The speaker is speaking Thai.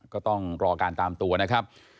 ก็ต้องรอการตามตัวนะครับ